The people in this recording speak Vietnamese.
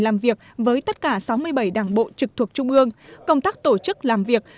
làm việc với tất cả sáu mươi bảy đảng bộ trực thuộc trung ương công tác tổ chức làm việc